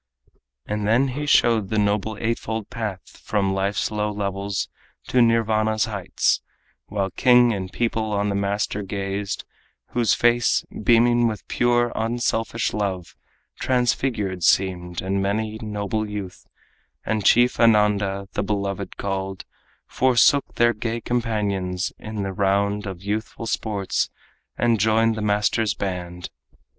And then he showed the noble eightfold path From life's low levels to Nirvana's heights, While king and people on the master gazed, Whose face, beaming with pure, unselfish love, Transfigured seemed; and many noble youth, And chief Ananda, the Beloved called, Forsook their gay companions and the round Of youthful sports, and joined the master's band.